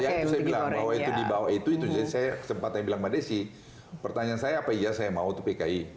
ya itu saya bilang dibawa itu itu jadi saya sempat bilang pada si pertanyaan saya apa iya saya mau pki